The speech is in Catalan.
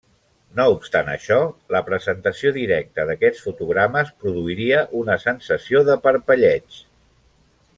No obstant això, la presentació directa d'aquests fotogrames produiria una sensació de parpelleig.